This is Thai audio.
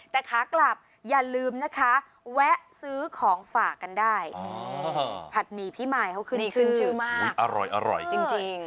แต่ขากลับอย่าลืมนะคะแวะซื้อของฝากกันได้ผัดหมี่พี่มายเขาขึ้นนี่ขึ้นชื่อมากอร่อยจริง